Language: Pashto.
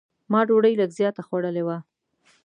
ما ډوډۍ لږ زیاته خوړلې وه.